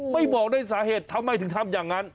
บอกด้วยสาเหตุทำไมถึงทำอย่างนั้น